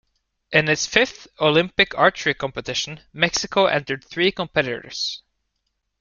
In its fifth Olympic archery competition, Mexico entered three competitors.